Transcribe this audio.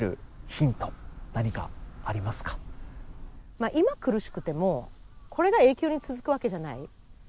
まあ今苦しくてもこれが永久に続くわけじゃない。